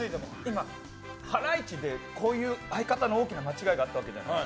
今、ハライチでこういう相方の大きな間違いがあったわけじゃない。